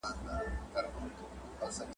ځوانان د ویني د تویېدو سره سره جګړه کوي.